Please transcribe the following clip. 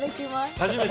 ◆初めて？